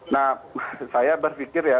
nah saya berpikir ya